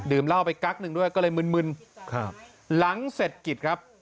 เหล้าไปกั๊กหนึ่งด้วยก็เลยมึนมึนครับหลังเสร็จกิจครับ